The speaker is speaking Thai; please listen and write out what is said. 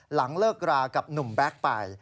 หลังเลิกรากับหนุ่มแบ็คไป